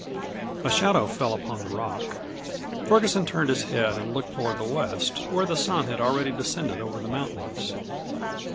A shadow fell upon the rock. Ferguson turned his head and looked toward the west, where the sun had already descended over the mountains.